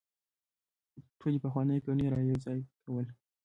ټولې پخوانۍ ګڼې رايوځاي کول